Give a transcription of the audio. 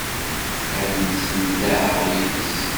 Ad msenḍaḥeɣ yid-s.